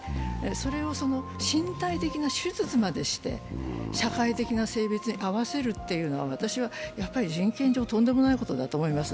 それを身体的な手術までして社会的な性別に合わせるというのは私は人権上、とんでもないことだと思います。